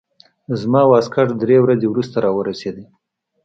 زما واسکټ درې ورځې وروسته راورسېد.